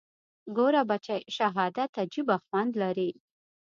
ګوره بچى شهادت عجيبه خوند لري.